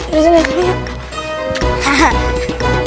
yuk lanjutin lagi